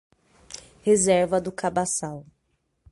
Reserva do Cabaçal